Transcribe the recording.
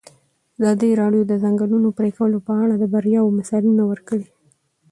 ازادي راډیو د د ځنګلونو پرېکول په اړه د بریاوو مثالونه ورکړي.